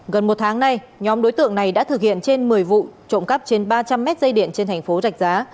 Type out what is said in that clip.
gần một tháng nay nhóm đối tượng này đã thực hiện trên một mươi vụ trộm cắp trên ba trăm linh mét dây điện trên thành phố rạch giá